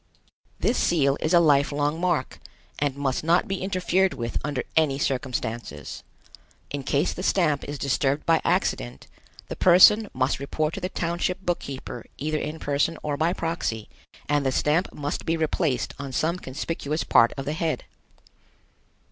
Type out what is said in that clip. This seal is a life long mark, and must not be interfered with under any circumstances. In case the stamp is disturbed by accident, the person must report to the township book keeper either in person or by proxy, and the stamp must be replaced on some conspicuous part of the head.